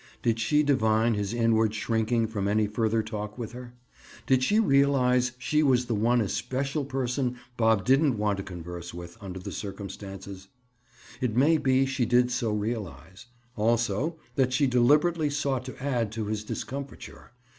Did she divine his inward shrinking from any further talk with her? Did she realize she was the one especial person Bob didn't want to converse with, under the circumstances? It may be she did so realize; also, that she deliberately sought to add to his discomfiture.